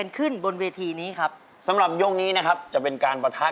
ขอแบ่งนิดหน่อยก็พอค่ะ